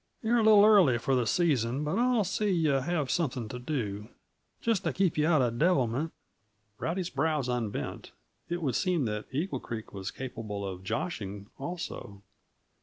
You're a little early for the season, but I'll see that yuh have something t' do just t' keep yuh out uh devilment." Rowdy's brows unbent; it would seem that Eagle Creek was capable of "joshing" also.